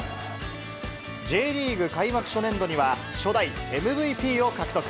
Ｊリーグ開幕初年度には、初代ＭＶＰを獲得。